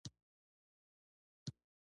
شرکتونه هم د دې ژبې په مرسته حسابونه کول.